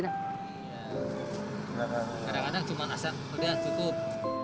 kadang kadang cuma nasan sudah cukup